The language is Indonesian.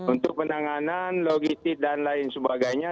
untuk penanganan logistik dan lain sebagainya